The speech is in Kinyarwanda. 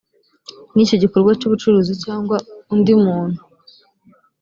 n icyo gikorwa cy ubucuruzi cyangwa undi muntu